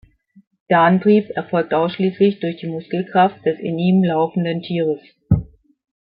Der Antrieb erfolgt ausschließlich durch die Muskelkraft des in ihm laufenden Tieres.